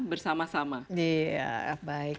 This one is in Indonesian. bersama sama ya baik